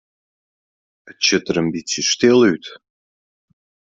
It sjocht der in bytsje stil út.